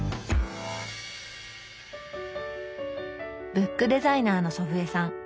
ブックデザイナーの祖父江さん。